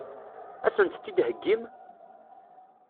Ad sent-t-id-theggim?